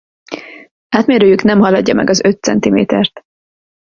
Átmérőjük nem haladja meg az öt centimétert.